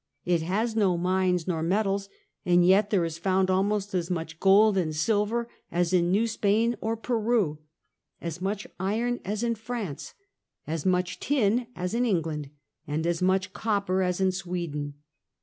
It has no mines nor metals, and yet there is found almost as much gold and silver as in New Spain or Peru, as much iron as in France, as much tin as in England, and as much copper as in Sweden.